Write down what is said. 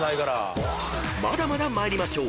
［まだまだ参りましょう。